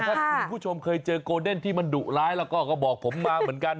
ถ้าคุณผู้ชมเคยเจอโกเดนที่มันดุร้ายแล้วก็บอกผมมาเหมือนกัน